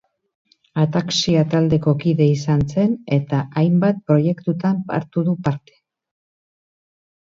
Ataxia taldeko kide izan zen eta hainbat proiektutan hartu du parte.